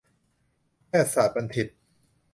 แพทยศาสตรบัณฑิต